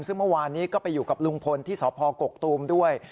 ซึ่งเมื่อวานนี้ก็ไปอยู่กับลุงพลที่สพกกตูมด้วย